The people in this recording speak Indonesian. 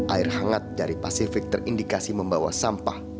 air hangat dari pasifik terindikasi membawa sampah